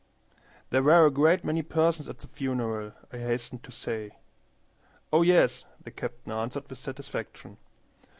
"There were a great many persons at the funeral," I hastened to say. "Oh yes," the captain answered, with satisfaction.